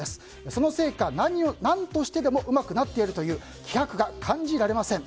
そのせいか何としてでもうまくなっていやるという気迫が感じられません。